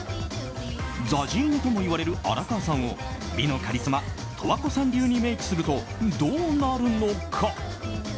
ＺＡＺＹ似ともいわれる荒川さんを美のカリスマ十和子さん流にメイクするとどうなるのか？